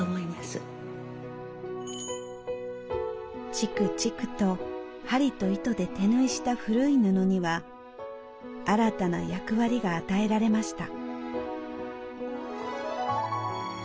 チクチクと針と糸で手縫いした古い布には新たな役割が与えられました。